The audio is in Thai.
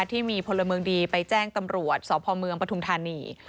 ที่มีพลเมืองดีไปแจ้งตำรวจสพเมืองปฐุมธานี